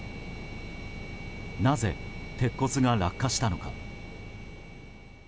なぜ鉄骨が落下したのか。